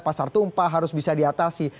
pasar tumpah harus bisa diatasi